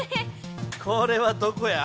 これはどこや。